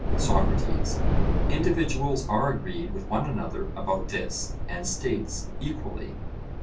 SOCRATES: Individuals are agreed with one another about this; and states, equally?